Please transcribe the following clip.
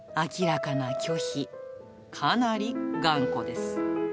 かなり頑固です。